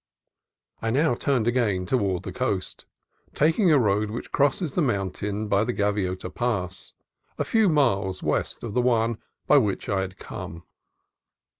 I now turned again toward the coast, taking a road which crosses the mountains by the Gaviota Pass, a few miles to the west of the one by which I had come.